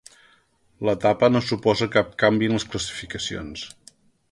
L'etapa no suposà cap canvi en les classificacions.